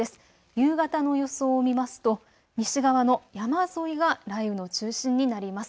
夕方の予想を見ますと西側の山沿いが雷雨の中心になります。